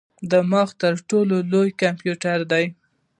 دماغ تر ټولو لوی کمپیوټر دی.